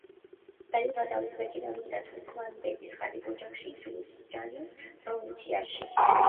დაიბადა უზბეკი მამისა და თურქმენი დედის ღარიბ ოჯახში, ჯუზჯანის პროვინციაში.